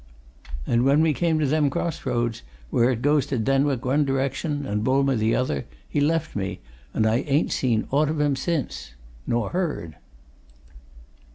And when we came to them cross roads, where it goes to Denwick one direction and Boulmer the other, he left me, and I ain't seen aught of him since. Nor heard."